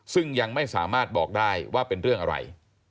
ซึ่งยังไม่สามารถบอกได้ว่าเป็นเรื่องอะไร